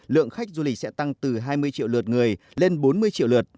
lượng khách du lịch sẽ tăng từ hai mươi triệu lượt người lên bốn mươi triệu lượt